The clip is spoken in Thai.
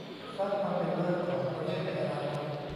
สร้างความเป็นเลิศของประเทศในอนาคต